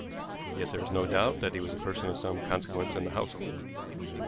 Yet there is no doubt that he was a person of some consequence in the household.